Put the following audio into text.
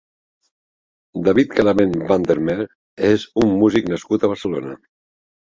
David Carabén van der Meer és un músic nascut a Barcelona.